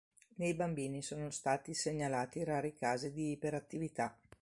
Nei bambini sono stati segnalati rari casi di iperattività.